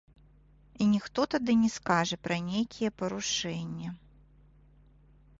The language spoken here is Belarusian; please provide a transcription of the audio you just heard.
І ніхто тады не скажа пра нейкія парушэнне.